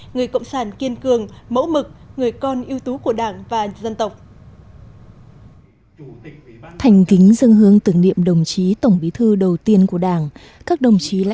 người cộng sản kiên cường mẫu mực người con ưu tú của đảng và dân tộc